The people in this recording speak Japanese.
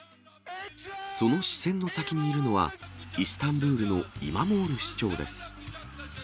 その視線の先にいるのは、イスタンブールのイマモール市長です。